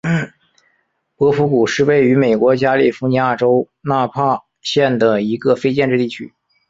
波普谷是位于美国加利福尼亚州纳帕县的一个非建制地区。